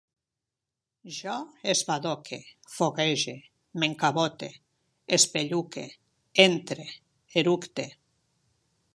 Jo esbadoque, foguege, m'encabote, espelluque, entre, eructe